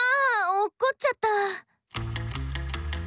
落っこっちゃった！